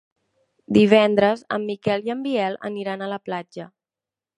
Divendres en Miquel i en Biel aniran a la platja.